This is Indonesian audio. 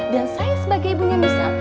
dan saya sebagai ibunya misa